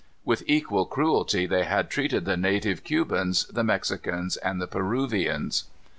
With equal cruelty they had treated the native Cubans, the Mexicans, and the Peruvians.